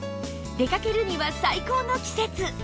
出かけるには最高の季節